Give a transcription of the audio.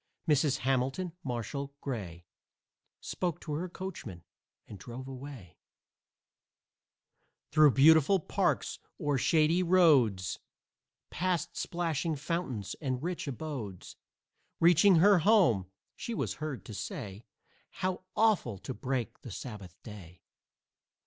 Mrs. Hamilton Marshall Gray Spoke to her coachman and drove away Through beautiful parks, o'er shady roads, Past splashing fountains and rich abodes. Reaching her home, she was heard to say "How awful to break the Sabbath day!"